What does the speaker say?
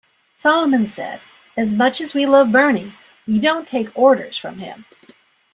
Solomon said, As much as we love Bernie, we don't take orders from him.